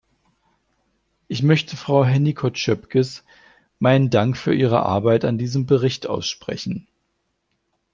Ich möchte Frau Hennicot-Schoepges meinen Dank für ihre Arbeit an diesem Bericht aussprechen.